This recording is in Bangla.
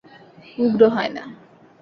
উগ্র হয় না।